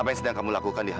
bagikan biola yang rusak